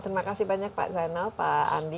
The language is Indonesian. terima kasih banyak pak zainal pak andi